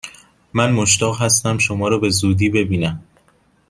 من مشتاق هستم شما را به زودی ببینم!